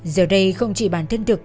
giờ đây không chỉ bản thân thực